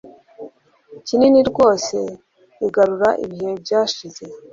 kinini rwose igarura ibihe byashize